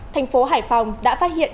thành phố hải phòng đã phát hiện